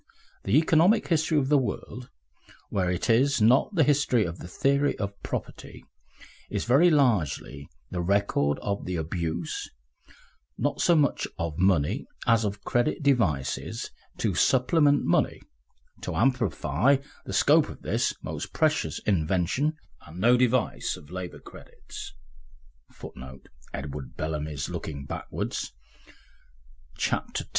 The economic history of the world, where it is not the history of the theory of property, is very largely the record of the abuse, not so much of money as of credit devices to supplement money, to amplify the scope of this most precious invention; and no device of labour credits [Footnote: Edward Bellamy's Looking Backward, Ch. IX.